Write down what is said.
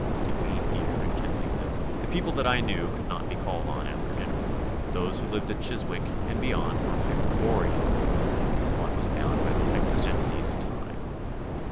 Between here and Kensington the people that I knew could not be called on after dinner, those who lived at Chiswick and beyond were hyperborean one was bound by the exigencies of time.